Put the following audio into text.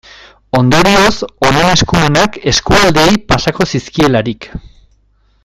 Ondorioz, honen eskumenak eskualdeei pasako zizkielarik.